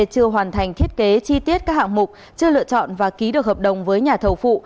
chưa hoàn thành thiết kế chi tiết các hạng mục chưa lựa chọn và ký được hợp đồng với nhà thầu phụ